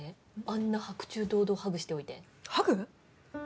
あんな白昼堂々ハグしておいてハグ？